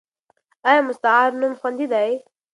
ایا مستعار نوم خوندي دی؟